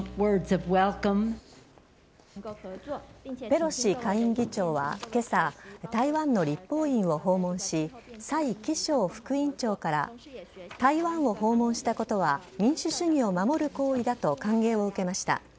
ペロシ下院議長は今朝台湾の立法院を訪問しサイ・キショウ副院長から台湾を訪問したことは民主主義を守る行為だと歓迎を受けました。